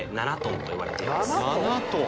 ７トン。